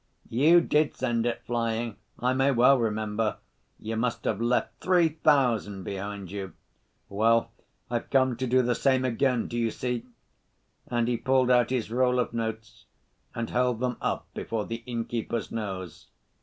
"You did send it flying. I may well remember. You must have left three thousand behind you." "Well, I've come to do the same again, do you see?" And he pulled out his roll of notes, and held them up before the innkeeper's nose.